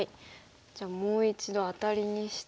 じゃあもう一度アタリにして。